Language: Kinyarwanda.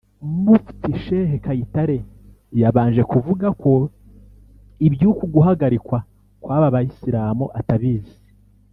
Mufti Sheikh Kayitare yabanje kuvuga ko iby’uku guhagarikwa kw’aba Bayisilamu atabizi